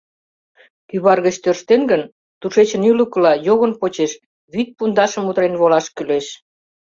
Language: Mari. — Кӱвар гыч тӧрштен гын, тушечын ӱлыкыла, йогын почеш, вӱд пундашым удырен волаш кӱлеш.